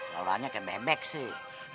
lelahnya kebebek sih